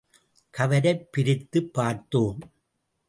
கவரைப் பிரித்துப் பார்த்தோம்.